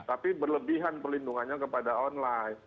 tapi berlebihan pelindungannya kepada online